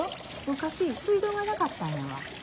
昔水道がなかったんやわ。